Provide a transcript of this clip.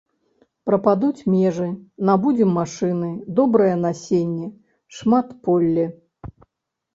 Прападуць межы, набудзем машыны, добрае насенне, шматполле.